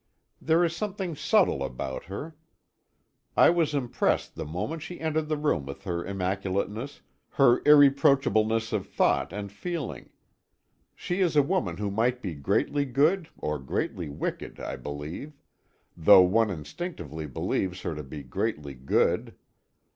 There is something subtle about her. I was impressed the moment she entered the room with her immaculateness, her irreproachableness of thought and feeling. She is a woman who might be greatly good or greatly wicked I believe though one instinctively believes her to be greatly good.